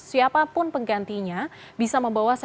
siapapun penggantinya bisa membawa